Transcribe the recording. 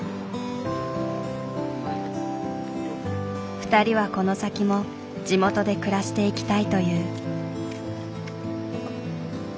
２人はこの先も地元で暮らしていきたいという。